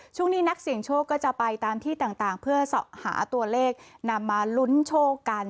ช่วงนี้นักเสี่ยงโชคก็จะไปตามที่ต่างเพื่อหาตัวเลขนำมาลุ้นโชคกัน